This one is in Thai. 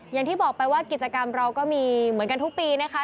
อย่างที่บอกไปว่ากิจกรรมเราก็มีเหมือนกันทุกปีนะคะ